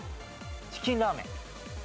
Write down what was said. チキンラーメン。